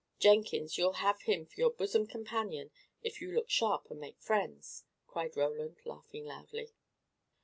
Jenkins, you'll have him for your bosom companion, if you look sharp and make friends," cried Roland, laughing loudly.